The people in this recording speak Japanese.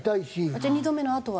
じゃあ２度目のあとは？